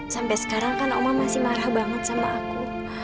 sampai sekarang kan oma masih marah banget sama aku